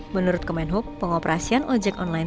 menurut kemenhub pengoperasian ojek online